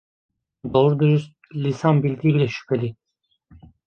Doğru dürüst lisan bildiği bile şüpheli!